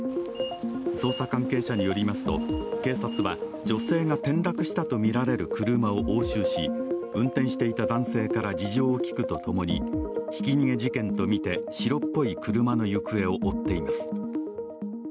捜査関係者によりますと警察は女性が転落したとみられる車を押収し運転していた男性から事情を聴くと共に、ひき逃げ事件とみて白っぽい車の行方を追っています。